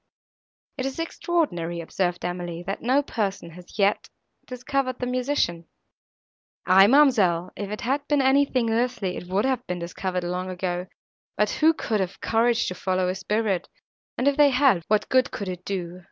"It is extraordinary," observed Emily, "that no person has yet discovered the musician." "Aye, ma'amselle, if it had been anything earthly it would have been discovered long ago, but who could have courage to follow a spirit, and if they had, what good could it do?